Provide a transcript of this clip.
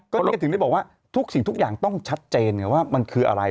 ก็เลยถึงได้บอกว่าทุกสิ่งทุกอย่างต้องชัดเจนไงว่ามันคืออะไร